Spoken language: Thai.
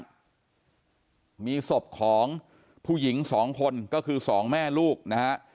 ข้างล่างมีศพของผู้หญิง๒คนก็คือ๒แม่ลูกนะฮะ